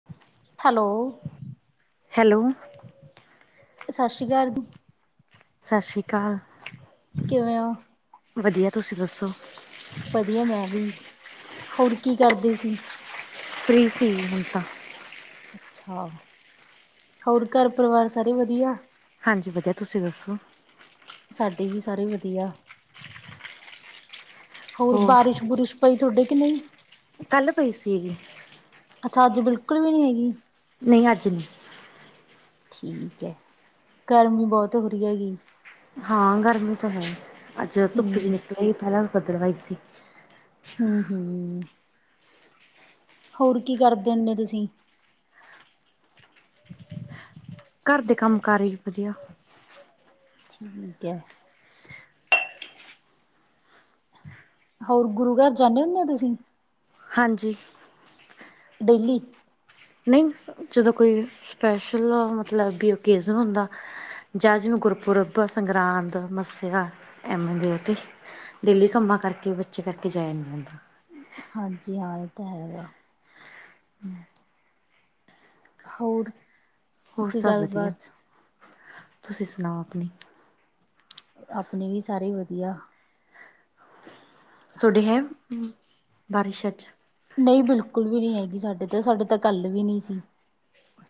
[inaudible] Hello. Hello. ਸਤਿ ਸ਼੍ਰੀ ਅਕਾਲ ਜੀ। ਸਤਿ ਸ੍ਰੀ ਅਕਾਲ। ਕਿਵੇਂ ਓ। ਵਧੀਆ ਤੁਸੀਂ ਦੱਸੋ। ਵਧੀਆ ਮੈਂ ਵੀ ਹੋਰ ਕੀ ਕਰਦੇ ਸੀ। ਫ੍ਰੀ ਸੀ ਹੁਣ ਤਾਂ। ਅੱਛਾ, ਹੋਰ ਘਰ ਪਰਿਵਾਰ ਸਾਰੇ ਵਧੀਆ। ਹਾਂਜੀ ਵਧੀਆ ਤੁਸੀਂ ਦੱਸੋ। ਸਾਡੇ ਵੀ, ਸਾਰੇ ਵਧੀਆ ਹੋਰ ਬਾਰਿਸ਼ ਬੁਰਿਸ਼। ਪਈ ਤੁਹਾਡੇ ਕਿ ਨਹੀਂ? ਕੱਲ ਪਈ ਸੀਗੀ। ਅੱਛਾ, ਅੱਜ ਬਿਲਕੁਲ ਵੀ ਨੀ ਹੈਗੀ। ਨਹੀਂ ਅੱਜ ਨਹੀਂ। ਠੀਕ ਹੈ, ਗਰਮੀ ਬਹੁਤ ਹੋ ਰਹੀ ਆ ਜੀ। ਹਾਂ, ਗਰਮੀ ਤਾਂ ਹੈ ਅੱਜ ਧੁੱਪ ਜਿਹੀ ਹੂੰ। ਨਿਕਲ ਆਈ ਪਹਿਲਾਂ ਬਦਲਵਾਈ ਸੀ। ਹਮ ਹਮ ਹੋਰ ਕੀ ਕਰਦੇ ਹੁੰਦੇ ਤੁਸੀਂ? ਘਰ ਦੇ ਕੰਮ ਕਾਰ ਹੀ ਵਧੀਆ। ਠੀਕ ਹੈ। ਹੋਰ, ਗੁਰੂ ਘਰ ਜਾਂਦੇ ਹੁੰਦੇ ਹੋ ਤੁਸੀਂ? ਹਾਂਜੀ। ਡੇਲੀ। ਨਹੀਂ ਜਦੋਂ ਕੋਈ ਸਪੈਸ਼ਲ ਮਤਲਬ ਵੀ ਓਕੇਜਨ ਹੁੰਦਾ। ਜਾਂ ਜਿਵੇਂ ਗੁਰਪੁਰਬ, ਸੰਗਰਾਂਦ, ਮੱਸਿਆ ਐਵੇ ਦੇ ਉਹ ਤੇ। ਡੇਲੀ ਕੰਮਾਂ ਕਰਕੇ ਬੱਚੇ ਲੈ ਕੇ ਜਾਇਆ ਨੀ ਜਾਂਦਾ। ਹਾਂਜੀ ਹਾਂ ਇਹ ਤਾਂ ਹੈਗਾ। ਹਮ ਹੋਰ ਹੋਰ ਕੋਈ ਸਭ ਵਧੀਆ, ਗੱਲਬਾਤ? ਤੁਸੀਂ ਸੁਣਾਓ ਆਪਣੀ! ਆਪਣੇ ਵੀ ਸਾਰੇ ਵਧੀਆ। ਤੁਹਾਡੇ ਹੈ ਬਾਰਿਸ਼ ਅੱਜ? ਨਹੀਂ ਬਿਲਕੁਲ ਵੀ ਨਹੀਂ ਹੈਗੀ ਸਾਡੇ ਤਾਂ ਸਾਡੇ ਤਾਂ ਕੱਲ ਵੀ ਨਹੀਂ ਸੀ।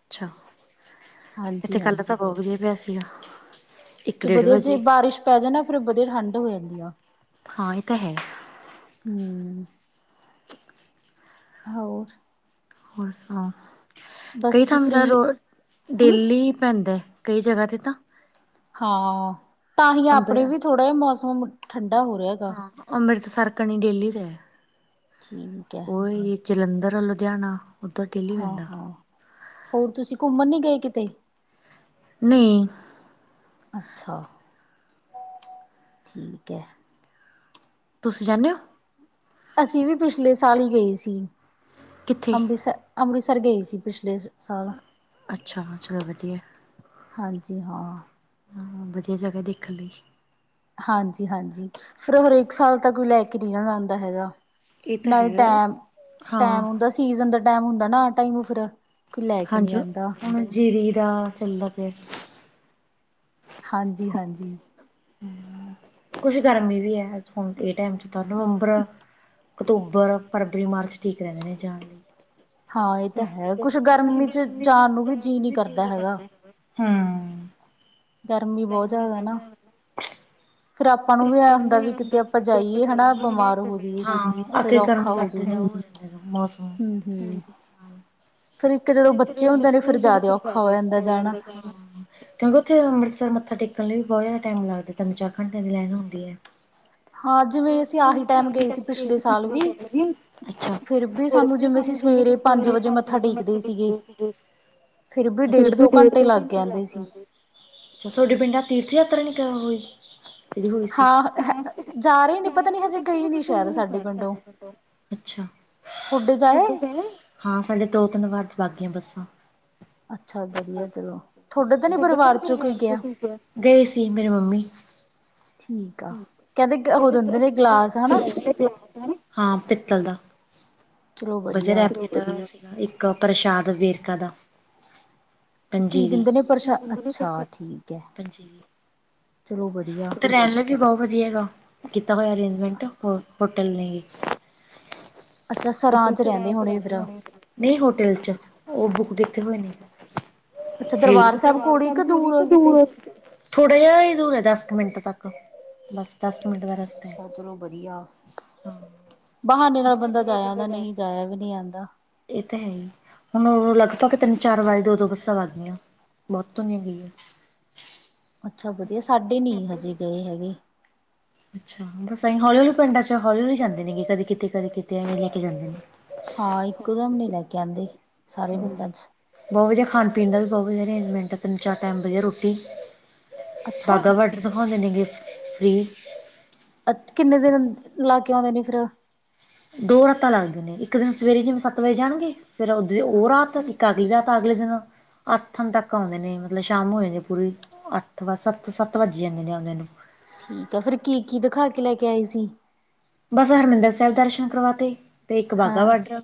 ਅੱਛਾ, ਇੱਥੇ ਹਾਂਜੀ ਕੱਲ ਤਾਂ ਹਾਂਜੀ ਬਹੁਤ ਮੀਹ ਪਿਆ ਸੀਗਾ। ਇੱਕ ਚ ਡੇਢ ਵਧੀਆ ਜੇ ਵਜੇ ਬਾਰਿਸ਼ ਪੈ ਜਾਂਦਾ ਫੇਰ ਵਧੀਆ ਠੰਢ ਹੋ ਜਾਂਦੀ ਆ। ਹਾਂ ਇਹ ਤਾਂ ਹੈ! ਹਮ ਹੋਰ? ਹੋਰ, ਸੁ ਬਸ ਕਈ ਥਾ ਤੁਸੀਂ ਤਾਂ ਫ੍ਰਰੀ ਰੋ, ਹਮ ਡੇਲੀ ਹੀ ਪੈਂਦਾ ਹੈ। ਕਈ ਜਗ੍ਹਾ 'ਤੇ ਤਾਂ। ਹਾਂ ਤਾਂ ਹੀ, ਅੰਬਰ ਆਪਣੇ ਵੀ ਥੋੜ੍ਹਾ ਜਿਹਾ ਮੌਸਮ ਠੰਡਾ ਹੋ ਰਿਹਾ‌। ਹਾਂ, ਅੰਮ੍ਰਿਤਸਰ ਕਣੀ ਡੇਲੀ ਪਿਆ। ਠੀਕ ਹੈ। ਜਲੰਧਰ ਔਰ ਲੁਧਿਆਣਾ। ਉੱਧਰ ਡੇਲੀ ਪੈਂਦਾ ਹਾਂ, ਹੋਰ, ਤੁਸੀਂ ਘੁੰਮਣ ਨੀ ਗਏ ਕਿਤੇ? ਨਹੀਂ। ਅੱਛਾ। ਠੀਕ ਹੈ। ਤੁਸੀਂ ਜਾਦੇ ਹੋ? ਅਸੀਂ ਵੀ, ਪਿਛਲੇ ਸਾਲ ਹੀ ਗਏ ਸੀ, ਕਿੱਥੇ ਅੰਮ੍ਰਿਤਸਰ। ਅੰਮ੍ਰਿਤਸਰ ਗਏ ਸੀ। ਪਿਛਲੇ ਸਾਲ, ਅੱਛਾ, ਚਲੋ, ਵਧੀਆ। ਹਾਂਜੀ, ਹਾਂ। ਹਾਂ, ਵਧੀਆ, ਜਗ੍ਹਾ ਦੇਖਣ ਲਈ। ਹਾਂਜੀ, ਹਾਂਜੀ, ਫਿਰ, ਹਰੇਕ ਸਾਲ ਤਾਂ, ਕੋਈ ਲੈ ਕੇ ਵੀ ਨਹੀਂ ਜਾਂਦਾ ਹੈਗਾ। ਇਹ ਤਾਂ ਨਾ ਹੈ ਟਮ ਟਮ ਹਾਂ ਹੁੰਦਾ ਸੀਜਨ ਦਾ, ਟਮ ਹੁੰਦਾ ਨਾ ਟਮ ਫਿਰ। ਕੋਈ ਲੈ ਕੇ ਨਹੀਂ ਹਾਂਜੀ, ਆਂਦਾ ਹੁਣ ਜੀਰੀ ਦਾ ਚੱਲਦਾ ਪਿਆ। ਹਾਂਜੀ ਹਾਂਜੀ। ਕੁਛ ਗਰਮੀ ਵੀ ਹੈ ਹੁਣ ਇਹ ਟਾਈਮ ਤਾਂ ਨਵੰਬਰ। ਅਕਤੂਬਰ, ਫਰਵਰੀ, ਮਾਰਚ, ਠੀਕ ਰਹਿੰਦੇ ਨੇ ਜਾਣ ਲਈ। ਹਾਂ ਇਹ ਤਾਂ ਹੈਗਾ ਕੁਛ ਗਰਮੀ ਚ ਜਾਣ ਨੂੰ ਵੀ ਜੀਅ ਨਹੀਂ ਕਰਦਾ ਹੈਗਾ! ਹਾਂ, ਗਰਮੀ, ਬਹੁਤ ਜ਼ਿਆਦਾ ਨਾ। ਫਿਰ ਆਪਾਂ ਨੂੰ ਵੀ ਇਹ ਹੁੰਦਾ ਵੀ ਕਿਤੇ ਆਪਾਂ ਫ ਜਾਈਏ ਹਨਾ ਬਿਮਾਰ ਹੋ ਜਾਈਏ ਗ ਫਿਰ ਔਖਾ ਹੋਜੂਗਾ [unintelligible] ਹੂੰ-ਹੂੰ ਮੌਸਮ, ਫਿਰ ਇੱਕ ਜਦੋਂ ਬੱਚੇ ਹੁੰਦੇ ਨੇ, ਫਿਰ ਜ਼ਿਆਦਾ ਔਖਾ ਹੋ, ਜਾਂਦਾ ਜਾਣਾ। ਉੱਥੇ, ਅੰਮ੍ਰਿਤਸਰ, ਮੱਥ ਟੇਕਣ ਵੀ ਬਹੁਤ ਜ਼ਿਆਦਾ ਟਾਈਮ ਲਗਦਾ ਤਨ ਚਾਖੰਡ, ਲੈਣ, ਹੁੰਦੀ ਹੈ। ਹਾਂ, ਜਿਵੇਂ ਅਸੀਂ, ਆਹੀ ਟਾਈਮ ਗਏ ਸੀ। ਪਿਛਲੇ ਸਾਲ, ਵੀ ਅੱਛਾ ਫਿਰ, ਵੀ ਸਾਨੂੰ ਜਿਵੇਂ ਅਸੀਂ ਸਵੇਰੇ ਪੰਜ ਵਜੇ ਮੱਥਾ ਟੇਕਦੇ ਸੀਗੇ। ਫਿਰ, ਵੀ ਡੇਢ ਦੋ ਘੰਟੇ ਲੱਗ ਜਾਂਦੇ ਸੀ ਅਛਾ, ਤੁਹਾਡੇ ਪਿੰਡਾਂ ਤੀਰਥ ਯਾਤਰਾ ਨਹੀਂ ਕਰ ਹੋਈ। ਜਿਹੜੀ ਹੋਈ ਸੀ ਹਾਂ, ਜਾ ਰਹੇ ਨੀ ਪਤਾ ਨੀ ਹਜੇ ਗਈ ਨੀ, ਸ਼ਾਇਦ ਸਾਡੇ ਪਿੰਡੋਂ, ਅੱਛਾ ਤੁਹਾਡੇ, ਜਾਏ। ਹਾਂ, ਸਾਡੇ ਦੋ ਤਿੰਨ ਵਾਰ, ਬਾ ਗਈੀਆਂ ਬੱਸਾਂ। ਅੱਛਾ ਵਧੀਆ ਚਲੋ ਤੁਹਾਡੇ ਤਾਂ ਨੀ ਪਰਿਵਾਰ ਚੋਂ ਕੋਈ ਗਿਆ ਗਏ ਸੀ, ਮੇਰੀ ਮੰਮੀ। ਠੀਕ ਆ, ਕਹਿੰਦੇ ਉਹ ਦਿੰਦੇ, ਨੇ ਗਲਾਸ ਹਨਾ ਹਾਂ, ਪਿੱਤਲ ਦਾ ਚਲੋ ਬਜ ਰੈ ਵਧੀਆ ਫਰ ਇੱਕ, ਪ੍ਰਸ਼ਾਦ ਵੇਰਕਾ ਦਾ। ਕੀ, ਪੰਜੀਰੀ ਦਿੰਦੇ ਨੇ ਪ੍ਰਸ਼ਾਦ, ਅੱਛਾ, ਠੀਕ ਹੈ, ਪੰਜੀਰੀ ਚਲੋ ਵਧੀਆ। ਤੇ ਰਹਿਣ ਲਈ ਵੀ, ਬਹੁਤ ਵਧੀਆ ਹੈਗਾ, ਕੀਤਾ ਹੋਇਆ। ਅਰੇਂਜਮੈਂਟ ਹੋ ਹੋਟਲ ਨੇ ਵੀ। ਅੱਛਾ, ਸਰਾਂ ਵਿਚ ਰਹਿੰਦੇ ਹੋਣੇ, ਫੇਿਰ ਨਹੀਂ, ਹੋਟਲ 'ਵੀਚ, ਉਹ ਬੁੱਕ ਕਿੱਥੇ ਹੋਏਣੀ। ਅੱਛਾ ਤੇ ਦਰਬਾਰ ਪਰਿਵਾਰ ਕੋਲ ਹੀ ਸ ਚਲੀ ਤੇ ਦੂਰ ਉਠ ਕੇ ਦਰਬਾਰ ਸਾਹਿਬ ਕਿ ਕਿਹੜੀ ਆ ਕੇ ਕਿਤੇ ਦੂਰ ਹ ਪਰਿਵਾਰ ਸਾਹਿਬ ਕੋਲ ਥੋੜਾ ਜਿਹਾ ਹੀ ਦੂਰ ਹੈ ਦਸ ਕੁ ਮਿੰਟ ਤੱਕ ਬਸ ਦਸ ਮਿੰਟ ਬਾਰੇ। ਅੱਛਾ, ਚਲੋ ਵਧੀਆ, ਬਹਾਨੇ ਨਾਲ ਬੰਦਾ ਜਾਇਆ ਆਂਦਾ, ਨਹੀਂ ਜਾਇਆ ਵੀ ਨਹੀਂੀ, ਆਉਂਦਾ। ਇਹ, ਤਾਂ ਹੈ ਹੀ। ਹੁਣ ਲਗਭਗ, ਤਿੰਨ ਚਾਰ ਵਾਰੀ ਦੋ ਦੋ ਬੱਸਾਂ ਵੱ ਗਈਆਂ, ਬਹੁਤ ਧੁਨੀੀਆਂ ਗਈ ਆ। ਅੱਛਾ, ਵਧੀਆ, ਸਾਡੇ ਨਹੀਂੀ ਹਜੇ ਗਏ ਹੈਗੇ। ਅੱਛਾ ਬਸ ਅਸੀਂ ਹੌਲੀ ਹੌਲੀ ਪਿੰਡਾਂ ਚ ਹੌਲੀ ਹੌਲੀ ਜਾਂਦੇ ਨੇਗੇ ਕਦੇ ਕਿਤੇ ਕਦੇ ਕਿਤੇ ਲੈ ਕੇ ਜਾਂਦੇ ਨੇ ਹਾਂ ਇੱਕ ਦਮ ਨੀ ਲੈ ਕੇ ਆਉਂਦੀ ਬਹੁਤ ਵਧੀਆ ਖਾਣ ਪੀਣ ਦਾ ਵੀ ਬਹੁਤ ਵਧੀਆ ਅਰੇਂਜਮੈਂਟ ਹੈ ਤਿੰਨ ਚਾਰ ਟਾਈਮ ਵਧੀਆ ਰੋਟੀ ਅੱਛਾ ਬਾਘਾ ਵਾਡਰ ਦਿਿਖਾਉਂਦੇ ਨੇ ਗ ਫਰੀ ਅ ਕਿੰਨੇ ਦਿਨ ਲਾ ਕੇ ਆਉਂਦੇ ਨੇ ਫਿਰ ਦੋ ਰਾਤਾਂ ਲੱਗਦੇ ਨੇ ਇੱਕ ਦਿਨ ਸਵੇਰੇ ਜਿਵੇਂ ਸੱਤ ਵਜੇ ਜਾਣਗੇ ਫਿਰ ਉਦੋਂ ਉਹ ਰਾਤ ਅਗਲੀ ਰਾ ਤਾਂ ਅਗਲੇ ਦਿਨ ਅੱਠ ਤੱਕ ਆਉਂਦੇ ਨੇ ਮਤਲਬ ਸ਼ਾਮ ਹੋ ਜਾਂਦੇ ਪੂਰੀ ਅੱਠ ਵ ਸੱਤ ਸੱਤ ਵੱਜੀ ਜਾਂਦੇ ਨੇ ਆਉਂਦੇ ਨੂੰ ਠੀਕ ਆ ਫੇਿਰ ਕੀ ਕੀ ਦਿਖਾ ਕੇ ਲੈ ਕੇ ਆਏ ਸੀ ਬਸ ਹਰਿਮੰਦਰ ਸਾਹਿਬ ਦਰਸ਼ਨ ਕਰਵਾਤੇ ਤੇ ਇੱਕ ਵਾਹਗਾਾ ਹਾਂ ਵਾਰਡਰ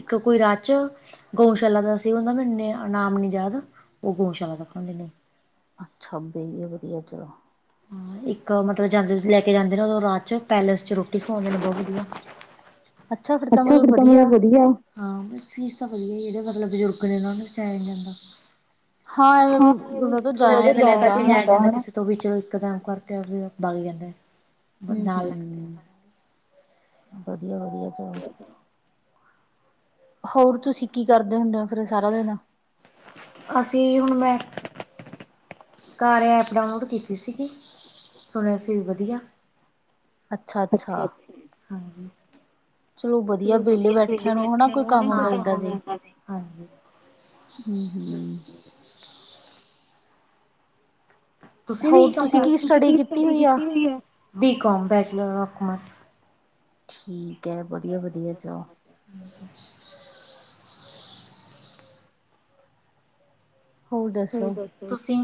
ਇੱਕ ਕੋਈ ਰਾਚ ਗਊਸ਼ਾਲਾ ਦਾ ਸਹੀ ਹੁੰਦਾ ਮੈਨੇ ਇਨਾਮ ਨੀ ਯਾਦ ਉਹ ਗਊਸ਼ਾਲਾ ਦਾ ਖਾ ਨੇ ਅੱ ਛੱਬੀ ਵਧੀਆ ਚਲੋ ਹਾਂ ਇੱਕ ਮਤਲਬ ਜਾਂਦੇ ਲੈ ਕੇ ਜਾਂਦੇ ਨੇ ਉਦੋਂ ਰਾਤ ਚ ਪੈਲੇਸ ਚ ਰੋਟੀ ਖਵਾਉਂਦੇ ਨੇ ਬਹੁਤ ਵਧੀਆ ਹ ਅੱਛਾ ਖੜਤਾ ਮਤਲਬ ਵਧੀਆ ਹਾਂ ਫੀਸ ਤਾਂ ਵਧੀਆ ਜਿਹੜੇ ਮਤਲਬ ਬਜ਼ੁਰਗ ਨੇ ਨੂੰ ਸਾਇਆ ਨ ਜਾਂਦਾ ਹਾਂਵੇ ਉਹਨ ਤੋਂ ਜਾਇਆ ਕੱਲਿਆ ਨ ਕੱਲਿਆ ਆਉਂਦਾ ਕਰਕੇ ਹਨਾ ਜਾਇਆ ਜਾਂਦਾ ਕਿਸੇ ਤੋਂ, ਵੀ ਚਲੋ ਇਕਦਮ ਕਰਕੇ ਵੀ ਬਗ ਜਾਂਦਾ। ਹਮ, ਨਾਲ ਲੱਗਦੇ। ਹਮ, ਵਧੀਆ, ਵਧੀਆ, ਚਲੋ ਅੱਛਾ, ਹੋਰ, ਤੁਸੀਂ ਕੀ ਕਰਦੇ ਹੁੰਦੇ ਹੋ। ਫਿਰ ਸਾਰਾ ਦਿਨ, ਅਸੀਂ ਹੁਣ ਮੈਂ ਕਰਿਆ ਐਪ ਡਾਊਨਲੋਡ ਕੀਤੀ ਸੀਗੀ ਸੁਣਿਆ ਸੀ ਵੀ ਵਧੀਆ। ਅੱਛਾ ਅੱਛਾ ਹਾਂਜੀ। ਚਲੋ ਏਹ ਵਿਹਲੇ ਵਧੀਆ ਵੇਲੇ ਬੈਠਿਆਂ ਬੈਠਿਆ ਕੋਈ ਨੂੰ ਕੰਮ ਹਨਾ ਕੋਈ ਕੰਮ ਜੇ। ਮਿਲਦਾ। ਹੂੰ ਹੂੰ। ਤੁਸੀਂ ਵੀ ਏਹੀ ਕੰਮ ਕਰਦੇ। ਤੁਸੀਂ ਕੀ ਸਟੱਡੀ ਕੀਤੀ ਹੋਈ ਹੈ। B come bachelor of commerce. [inaudible] ਠੀਕ ਹੈ ਵਧੀਆ ਵਧੀਆ ਚਲੋ। ਹੋਰ ਦੱਸੋ? ਤੁਸੀ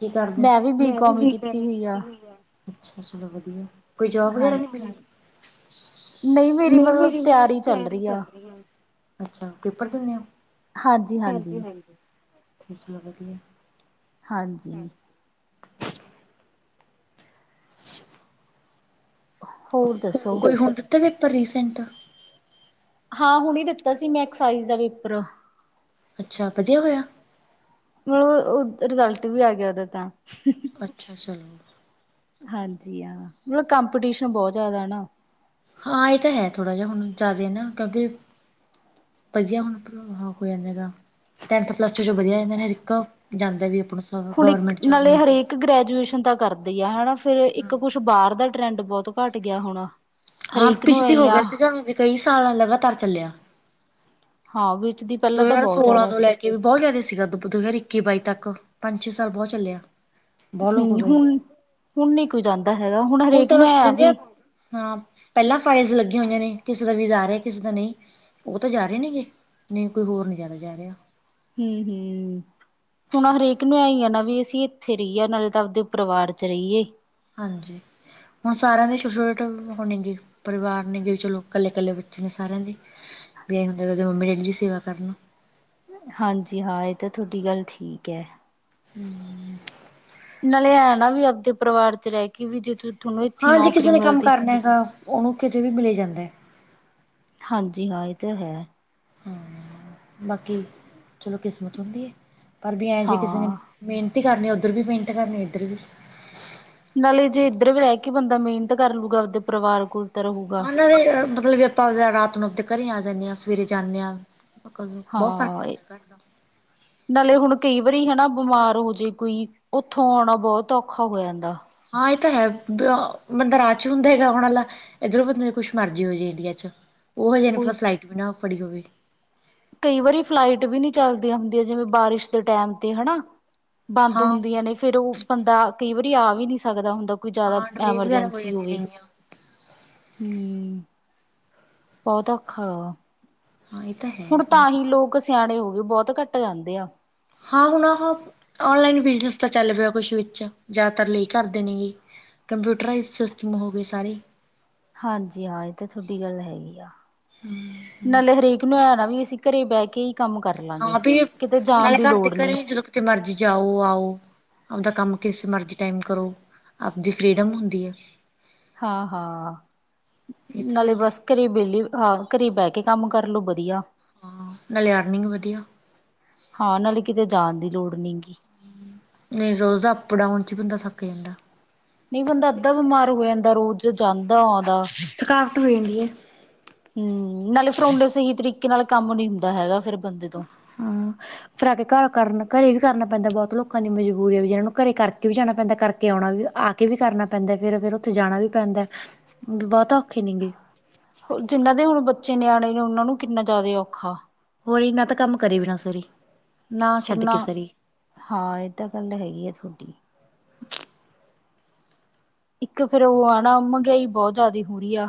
ਕੀ ਕਰਦੇ ਹੋ। ਮੈਂ ਵੀ ਬੀ ਕੌਮ ਹੀ ਕੀਤੀ ਹੋਈ ਆ। [unintelligible] ਅੱਛਾ ਚਲੋ ਵਧੀਆ ਕੋਈ ਜੋਬ ਹਾਂ ਵਗੈਰਾ ਨਹੀਂ ਮਿਲੀ। ਨਹੀਂ ਮੇਰੀ ਤਿਆਰੀ ਚੱਲ ਰਹੀ ਆ ਅੱਛਾ ਪੇਪਰ ਦਿੰਦੇ ਓ। ਹਾਂਜੀ ਹਾਂਜੀ। ਚਲੋ ਵਧੀਆ। ਹਾਂਜੀ। ਹੋਰ ਦੱਸੋ। ਤੇ ਹੁਣ ਦਿੱਤੇ ਪੇਪਰ ਰੀਸੈਂਟ। ਹਾਂ ਹੁਣੀ ਦਿੱਤਾ ਸੀ ਮੈਂ ਐਕਸਾਈਜ਼ ਦਾ ਪੇਪਰ। ਅੱਛਾ ਵਧੀਆ ਹੋਇਆ। ਹਾ ਰਿਜਲਟ ਵੀ ਆ ਗਿਆ ਉਹਦਾ ਤਾਂ ਅੱਛਾ ਚਲ। ਹਾਂਜੀ ਹਾਂ ਮਤਲਬ ਕੰਪੀਟੀਸ਼ਨ ਬਹੁਤ ਜ਼ਿਆਦਾ ਨਾ। ਹਾਂ ਇਹ ਤਾਂ ਹੈ ਥੋੜਾ ਜਿਹਾ ਹੁਣ ਜ਼ਿਆਦਾ ਨਾ ਕਿਉਂਕਿ ਵਧੀਆ ਹੁਣ ਆ ਮਾਹੋਲ ਐਵੇ ਦਾ। ਟੈਥ ਪਲੱਸ ਟੂ ਚੋ ਵਧੀਆ ਆ ਜਾਂਦੇ ਨੇ ਜਾਦਿਆ ਨੂੰ ਆਪ ਸ ਹੁਣ ਗਵਰਮਟ ਜੋਬ ਨਾਲੇ ਮਿਲਦੀ। ਹਰੇਕ ਇੱਕ ਗ੍ਰੈਜੂਏਸ਼ਨ ਤਾਂ ਕਰਦੇ ਆ ਹਨਾ ਫਿਰ ਇੱਕ ਕੁਛ ਬਾਹਰ ਦਾ ਟਰੈਂਡ ਬਹੁਤ ਘੱਟ ਗਿਆ ਹੁਣ। ਹਾਂ ਹਰੇਕ ਨੂੰ ਐ ਪਿਛਤੀ ਹੋ ਆ ਗਿਆ ਸੀਗਾ ਵੀ ਕਈ ਸਾਲਾਂ ਲਗਾਤਾਰ ਚੱਲਿਆ। ਹਾਂ ਵਿੱਚ ਦੀ ਪਹਿਲਾਂ ਦੋ ਤਾਂ ਹਜ਼ਾਰ ਬਹੁਤ ਸੋਲਾਂ ਜ਼ਿਆਦਾ ਤੋਂ ਸੀ ਲੈ ਕੇ ਵੀ ਬਹੁਤ ਜ਼ਿਆਦਾ ਸੀਗਾ ਦ ਦੋ ਹਜ਼ਾਰ ਇੱਕੀ ਬਾਈ ਤੱਕ ਪੰਜ ਛੇ ਸਾਲ ਬਹੁਤ ਚੱਲਿਆ। ਬਹੁਤ ਲੋਕ ਹੂੰ ਗਏ ਹੁਣ ਹੁਣ ਨੀ ਕੋਈ ਜਾਂਦਾ ਹੈਗਾ ਹੁਣ ਹਰੇਕ ਤਾਂ ਨੂੰ ਬਸ ਐ ਜਾਂਦੇ ਆ ਵੀ ਹਾਂ ਪਹਿਲਾਂ ਫਾਈਲਸ ਲੱਗੀਆਂ ਹੋਈਆਂ ਨੇ ਕਿਸੇ ਦਾ ਵੀਜਾ ਆ ਰਿਹਾ ਕਿਸੇ ਦਾ ਨਹੀਂ ਉਹ ਤਾਂ ਜਾ ਰਹੇ ਨੇਗੇ। ਨਹੀਂ ਕੋਈ ਹੋਰ ਨਹੀਂ ਜ਼ਿਆਦਾ ਜਾ ਰਿਹਾ। ਹੂੰ ਹੂੰ। ਹੁਣ ਹਰੇਕ ਨੂੰ ਐ ਹੀ ਆ ਨਾ ਵੀ ਅਸੀਂ ਇੱਥੇ ਰਹੀਏ ਨਾਲੇ ਤਾਂ ਆਪਦੇ ਪਰਿਵਾਰ ਚ ਰਹੀਏ। ਹਾਂਜੀ ਹੁਣ ਸਾਰਿਆਂ ਦੇ [unintelligible] ਹੋਣੀਗੀ। ਪਰਿਵਾਰ ਨੇਗੇ ਚਲੋ ਇਕੱਲੇ ਕੱਲੇ ਬੱਚੇ ਨੇ ਸਾਰਿਆਂ ਦੇ ਵੀ ਹੁੰਦੇ ਦੇ ਮੰਮੀ ਡੈਡੀ ਦੀ ਸੇਵਾ ਕਰਨੀ। ਹਾਂਜੀ ਹਾਂ ਇਹ ਤਾਂ ਤੁਹਾਡੀ ਗੱਲ ਠੀਕ ਹੈ। ਹੂੰ। ਨਾਲੇ ਐਂ ਨਾ ਵੀ ਆਪਦੇ ਪਰਿਵਾਰ ਚ ਰਹਿ ਕੇ ਵੀ ਜੇ ਤੂੰ ਹਾਂ ਜੇ ਕਿਸੇ ਨੇ ਕੰਮ ਕਰਨਾ ਹੈਗਾ ਉਹਨੂੰ ਕਿਤੇ ਵੀ ਮਿਲ ਜਾਂਦਾ ਐ। ਹਾਂਜੀ ਹਾਂ ਇਹ ਤਾਂ ਹੈ। ਹਾਂ ਬਾਕੀ ਚਲੋ ਕਿਸਮਤ ਹੁੰਦੀ ਹੈ ਪਰ ਵੀ ਐ ਜੇਹੇ ਕਿਸੇ ਨੇ ਹਾਂ ਮਿਹਨਤ ਹੀ ਕਰਨੀ ਉੱਧਰ ਵੀ ਮਿਹਨਤ ਕਰਨੀ ਇੱਧਰ ਵੀ। ਨਾਲੇ ਜੇ ਇੱਧਰ ਰਹਿ ਕੇ ਬੰਦਾ ਮਿਹਨਤ ਕਰ ਲੂਗਾ ਉਹਦੇ ਪਰਿਵਾਰ ਕੋਲ ਤਾਂ ਰਹੂਗਾ। ਹਨਾਂ ਦੇ ਮਤਲਬ ਵੀ ਆਪਾਂ ਰਾਤ ਨੂੰ ਆਪਦੇ ਘਰੇ ਆ ਜਾਂਦੇ ਹਾਂ ਸਵੇਰੇ ਜਾਂਦੇ ਹਾਂ। ਬਹੁਤ ਫ਼ਰਕ ਹਾਂ ਪੈਂਦਾ ਘਰ ਦਾ ਨਾਲੇ ਹੁਣ ਕਈ ਵਾਰੀ ਹਨਾ ਬਿਮਾਰ ਹੋ ਜੇ ਕੋਈ ਉੱਥੋਂ ਆਉਣਾ ਬਹੁਤ ਔਖਾ ਹੋ ਜਾਂਦਾ। ਹਾਂ ਇਹ ਤਾਂ ਹੈ ਬੰਦਾ ਰਾਚ ਹੁੰਦਾ ਹੈਗਾ ਹੋਣ ਵਾਲਾ ਇੱਧਰੋਂ ਬੰਦੇ ਕੁਛ ਮਰਜ਼ੀ ਹੋ ਜਾ ਇੰਡੀਆ ਚ ਉਹ ਹ ਜਹਾ ਨੇ ਪਤਾ ਉਹੀ ਫਲਾਈਟ ਵੀ ਨਾ ਫੜੀ ਹੋਵੇ। ਕਈ ਵਾਰੀ ਫਲਾਈਟ ਵੀ ਨਹੀਂ ਚੱਲਦੀਆਂ ਹੁੰਦੀਆਂ ਜਿਵੇਂ ਬਾਰਿਸ਼ ਦੇ ਟੈਮ ਤੇ ਹਨਾ। ਬੰਦ ਹਾਂ ਹੁੰਦੀਆਂ ਨੇ ਫੇਰ ਉਹ ਬੰਦਾ ਕਈ ਵਾਰੀ ਆ ਵੀ ਨਹੀਂ ਸਕਦਾ ਹੁੰਦਾ। ਕੋਈ ਜ਼ਿਆਦਾ ਹਾਂ ਡਿਲੇ ਵਗੈਰਾ ਹੋ ਐਮਰਜੈਂਸੀ ਜਾਂਦੀਆਂ ਹੋਵੇ ਨੇਗੀਆਂ ਹੂ ਬਹੁਤਾ ਔਖਾ ਹਾਂ ਇਹ ਤਾਂ ਹੈ ਹੁਣ ਤਾਂ ਹੀ ਲੋਕ ਸਿਆਣੇ ਹੋ ਗਏ ਬਹੁਤ ਘੱਟ ਜਾਂਦੇ ਆ ਹਾਂ ਹੁਣ ਆ ਔਨਲਾਈਨ ਬਿਜਨਸ ਤਾਂ ਚੱਲ ਰਿਹਾ ਕੁਛ ਵਿੱਚ ਜ਼ਿਆਦਾਤਰ ਕਰਦੇ ਨਹੀਂ ਕੰਪਿਊਟਰ ਰਾਈਜ ਸਿਸਟਮ ਹੋਵੇ ਸਾਰੀ ਹਾਂਜੀ ਹਾਂ ਇਹ ਤਾਂ ਤੁਹਾਡੀ ਗੱਲ ਹੈਗੀ ਆ ਨਾਲੇ ਹਰੇਕ ਮੈਨੂੰ ਐ ਨਾ ਵੀ ਅਸੀਂ ਘਰੇ ਬਹਿ ਕੇ ਹੀ ਕੰਮ ਕਰ ਲਵਾਂਗੇ ਹਾਂ ਕਿਤੇ ਜਾਣ ਦੀ ਲੋੜ ਨਹੀਂ ਤੇ ਮਰਜ਼ੀ ਜਾਓ ਆਓ ਆਪਦਾ ਕੰਮ ਕਿਸ ਮਰਜ਼ੀ ਟਾਈਮ ਕਰੋ ਆਪਦੀ ਫਰੀਡਮ ਹੁੰਦੀ ਹੈ। ਹਾਂ ਹਾਂ ਇਹ ਤਾਂ ਨਾਲੇ ਗੱਲ ਹੈ ਬਸ ਘਰੇ ਵਿਹਲੀ ਹਾਂ ਘਰੇ ਬਹਿ ਕੇ ਕੰਮ ਕਰਲੋ ਵਧੀਆ ਹਾਂ ਨਾਲੇ ਅਰਨਿੰਗ ਵਧੀਆ ਹਾਂ ਨਾਲੇ ਕਿਤੇ ਜਾਣ ਦੀ ਲੋੜ ਨਹੀਂ ਗਈ ਨਹੀਂ ਰੋਜ਼ ਅਪ ਡਾਊਨ ਚ ਬੰਦਾ ਥੱਕ ਜਾਂਦਾ ਨਹੀਂ ਬੰਦਾ ਅੱਧਾ ਬਿਮਾਰ ਹੋ ਜਾਂਦਾ ਰੋਜ਼ ਜਾਂਦਾ ਆਉਂਦਾ ਥਕਾਵਟ ਹੋ ਜਾਂਦੀ ਹੈ। ਹੂ ਨਾਲੇ ਫਿਰ ਉਡੇ ਸਹੀ ਤਰੀਕੇ ਨਾਲ ਕੰਮ ਨੀ ਹੁੰਦਾ ਹੈਗਾ ਫਿਰ ਬੰਦੇ ਤੋਂ ਹਾਂ ਫਿਰ ਆ ਕੇ ਘਰ ਕਰਨ ਘਰੇ ਵੀ ਕਰਨਾ ਪੈਂਦਾ ਬਹੁਤ ਲੋਕਾਂ ਦੀ ਮਜਬੂਰੀ ਹੈ ਵੀ ਜਿਨਾਂ ਨੂੰ ਘਰੇ ਕਰਕੇ ਵੀ ਜਾਣਾ ਪੈਂਦਾ ਕਰਕੇ ਆਉਣਾ ਵੀ ਆ ਵੀ ਕਰਨਾ ਪੈਂਦਾ ਫਿਰ ਫਿਰ ਉੱਥੇ ਜਾਣਾ ਵੀ ਪੈਂਦਾ ਬਹੁਤਾ ਔਖੇ ਨਹੀਂ ਗਏ ਜਿੰਨਾਂ ਦੇ ਹੁਣ ਬੱਚੇ ਨਿਆਣੇ ਨੇ ਉਹਨਾਂ ਨੂੰ ਕਿੰਨਾ ਜ਼ਿਆਦਾ ਔਖਾ ਉਹੀ ਨਾ ਤਾਂ ਕੰਮ ਕਰੇ ਵੀ ਨਾ ਸੋਈ ਹੁਨਾ ਹਾਂ ਇਹ ਤਾਂ ਗੱਲ ਹੈਗੀ ਆ ਤੁਹਾਡੀ ਇੱਕ ਫਿਰ ਉਹ ਆ ਨਾ ਮਹਿੰਗਾਈ ਬਹੁਤ ਜਿਆਦਾ ਹੋ ਰਹੀ ਆ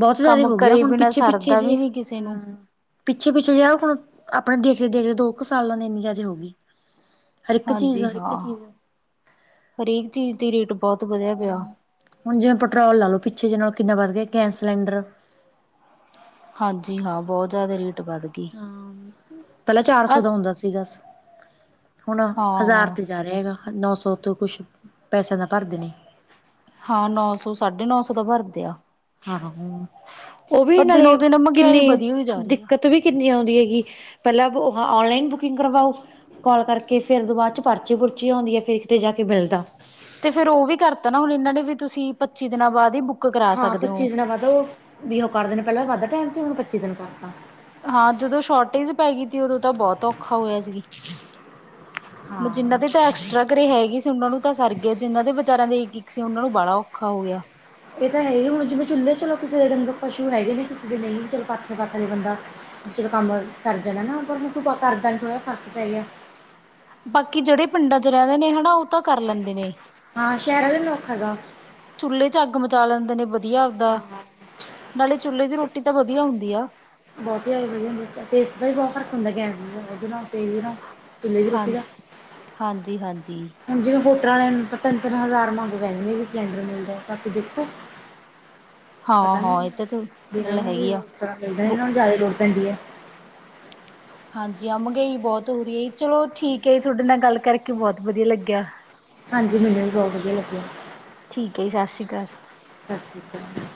ਬਹੁਤ ਜ਼ਿਆਦਾ ਕੰਮ ਹੋ ਗਿਆ ਕਰੇ ਹੁਣ ਬਿਨਾਂ ਪਿੱਛੇ ਸਰਦਾ ਵੀ ਨੀ ਕਿਸੇ ਨੂੰ ਪਿੱਛੇ ਕੁਝ ਰਵੇ ਆਪਣੇ ਦੇਖਦੇ ਦੇਖਦੇ ਦੋ ਕੁ ਸਾਲਾਂ ਦੇ ਇੰਨੀ ਜ਼ਿਆਦਾ ਹੋ ਗਈ ਹਰ ਇੱਕ ਚੀਜ਼ ਹਾਂਜੀ ਹਰ ਇੱਕ ਹਾਂ ਚੀਜ਼ ਹਰੇਕ ਚੀਜ਼ ਦੀ ਰੇਟ ਬਹੁਤ ਵਧੀਆ ਪਿਆ ਹੁਣ ਜਿਵੇਂ ਪੈਟਰੋਲ ਲੇ ਲੋ ਪਿੱਛੇ ਜਿ ਨਾਲ ਕਿੰਨਾ ਵੱਧ ਗਿਆ ਗੈਸ ਸਿਲੰਡਰ। ਹਾਂਜੀ ਹਾਂ ਬਹੁਤ ਜ਼ਿਆਦਾ ਰੇਟ ਵੱਧ ਗਈ ਹਾਂ ਪਹਿਲਾਂ ਚਾਰ ਅ ਸੌ ਦੋ ਹੁੰਦਾ ਸੀ ਬਸ ਹੁਣ ਹਜ਼ਾਰ ਹਾਂ ਤੇ। ਜਾ ਰਿਹਾ ਹੈਗਾ ਨੋ ਸੋ ਤੋਂ ਕੁਝ ਪੈਸਿਆਂ ਦਾ ਘਰ ਦੇ ਨਹੀਂ। ਹਾਂ ਨੋ ਸੋ ਸਾਢੇ ਨੋ ਸੋ ਦਾ ਭਰਦੇ ਆ। ਉਹ ਵੀ ਪਰ ਨਾਲੇ ਦਿਨੋ ਦਿਨ ਮਹਿੰਗਾਈ ਕਿੰਨੀ ਵਧੀ ਹੋਈ ਜਾ ਰਹੀ ਆ ਦਿੱਕਤ ਵੀ। ਕਿੰਨੀ ਆਉਂਦੀ ਹੈਗੀ ਪਹਿਲਾਂ ਔਨਲਾਈਨ ਬੁਕਿੰਗ ਕਰਵਾਓ। ਕੋਲ ਕਰਕੇ ਫਿਰ ਬਾਅਦ ਚ ਪਰਚੀ ਪੁਰਚੀ ਆਉਂਦੀ ਹੈ ਫਿਰ ਕਿਤੇ ਜਾ ਕੇ ਮਿਲਦਾ। ਤੇ ਫਿਰ ਉਹ ਵੀ ਕਰਤਾ ਨਾ ਹੁਣ ਇਹਨਾਂ ਨੇ ਵੀ ਤੁਸੀਂ ਪੱਚੀ ਦਿਨਾਂ ਬਾਅਦ ਹੀ ਬੁੱਕ। ਕਰਾ ਹਾਂ ਸਕਦੇ ਪੱਚੀ ਹੋ ਦਿਨਾਂ ਬਾਅਦ ਉਹ ਵੀ ਓ ਕਰਦੇ ਨੇ ਪਹਿਲਾਂ ਘੱਟ ਟਾਈਮ ਤੇ ਹੁਣ ਪੱਚੀ ਦਿਨ ਪਾ ਦਿੱਤਾ। ਹਾਂ ਜਦੋਂ ਸ਼ੋਰਟੇਜ ਪੈ ਗਈ ਸੀ ਉਦੋਂ ਤਾਂ ਬਹੁਤ ਔਖਾ ਹੋਇਆ ਸੀ। ਹੁਣ ਜਿਹਨਾਂ ਹਾਂ ਦੇ ਤਾਂ ਐਕਸਟਰਾ ਘਰੇ ਹੈਗੇ ਸੀ ਉਹਨਾਂ ਨੂੰ ਤਾਂ ਸਰ ਗਿਆ ਜਿਨਾਂ ਦੇ ਵਿਚਾਰਿਆਂ ਦੇ ਇੱਕ-ਇੱਕ ਸੀ ਉਹਨਾਂ ਨੂੰ ਬਾੜਾ ਔਖਾ ਹੋ ਗਿਆ। ਇਹ ਤਾਂ ਹੈ ਹੀ ਹੁਣ ਜਿਵੇਂ ਚੁੱਲ੍ਹੇ ਚਲੋ ਕਿਸੇ ਦੇ ਡੰਗਰ ਪਸ਼ੂ ਹੈਗੇ ਨੇ ਕਿਸੇ ਦੇ ਨਹੀਂ ਚਲੋ ਪਾਥਲੇ ਵਟ ਲਏ ਬੰਦਾ। ਚਲੋ ਕੰਮ ਸਰ ਜਾਣਾ ਨਾ ਪਰ ਮੈ ਅੱਜ ਕੱਲ ਥੋੜਾ ਫਰਕ ਪੈ ਗਿਆ। ਬਾਕੀ ਜਿਹੜੇ ਪਿੰਡਾਂ ਚ ਰਹਿੰਦੇ ਨੇ ਹਨਾ ਉਹ ਤਾਂ ਕਰ ਲੈਂਦੇ ਨੇ। ਹਾਂ ਸ਼ਹਿਰ ਵਾਲੇ ਨੂੰ ਔਖਾ ਹੈਗਾ ਚੁੱਲੇ ਚ ਅੱਗ ਮਚਾ ਲੈਂਦੇ ਨੇ ਵਧੀਆ ਉਦਾਂ। ਨਾਲੇ ਚੁੱਲੇ ਦੀ ਰੋਟੀ ਤਾਂ ਵਧੀਆ ਹੁੰਦੀ ਆ। ਬਹੁਤ ਹੀ ਆ ਵਧੀ ਹੁੰ ਤੇਸਟ ਦਾ ਵੀ ਬਹੁਤ ਫਰਕ ਹੁੰਦਾ ਗੈਸ ਉਹਦੇ ਨਾਲ ਤੇ ਨਾਲ ਚੁੱਲ੍ਹੇ ਦੀ ਹਾਂ ਰੋਟੀ ਦਾ ਹਾਂਜੀ ਹਾਂਜੀ ਹੁਣ ਜਿਵੇਂ ਵੋਟਰ ਵਾਲਿਆਂ ਨੂੰ ਤਾਂ ਤਿੰਨ ਤਿੰਨ ਹਜ਼ਾਰ ਮੰਗ ਰਹੇ ਨੇ ਵੀ ਸਿਲੰਡਰ ਮਿਲਦਾ ਕਰਕੇ ਦੇਖੋ [inaudible] ਹਾਂ ਇਹ ਤਾਂ ਗੱਲ ਹੈਗੀ ਆ। [unintelligible] ਹਾਂਜੀ ਆ ਮਹਿੰਗਾਈ ਬਹੁਤ ਹੋ ਰਹੀ ਹੈ ਜੀ ਚਲੋ ਠੀਕ ਹੈ ਜੀ ਤੁਹਾਡੇ ਨਾਲ ਗੱਲ ਕਰਕੇ ਬਹੁਤ ਵਧੀਆ ਲੱਗਿਆ। ਹਾਂਜੀ ਮੈਨੂੰ ਵੀ ਬਹੁਤ ਵਧੀਆ ਲੱਗਿਆ। ਠੀਕ ਹੈ ਜੀ ਸਤਿ ਸ਼੍ਰੀ ਅਕਾਲ। ਸਤਿ ਸ਼੍ਰੀ ਅਕਾਲ।